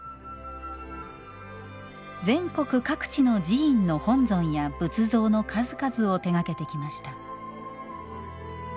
全国各地の寺院の本尊や仏像の数々を手がけてきました。